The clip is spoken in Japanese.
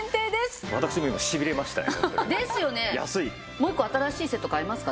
もう一個新しいセット買いますか？